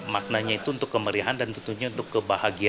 maknanya itu untuk kemerihan dan tentunya untuk kemurahan mahasiswa